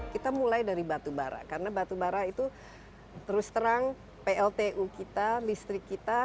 kita mulai dari batu bara karena batu bara itu terus terang pltu kita listrik kita